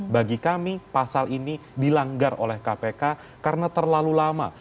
bagi kami pasal ini dilanggar oleh kpk karena terlalu lama